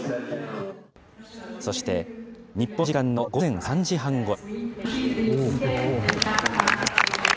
そして、日本時間の午前３時半ごろ。